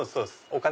お金